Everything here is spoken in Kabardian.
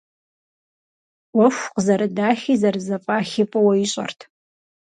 Ӏуэху къызэрыдахи зэрызэфӀахи фӀыуэ ищӀэрт.